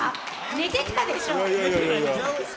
寝てたでしょ？